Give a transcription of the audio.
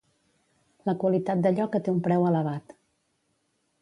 La qualitat d'allò que té un preu elevat.